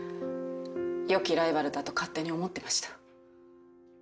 良きライバルだと勝手に思ってました。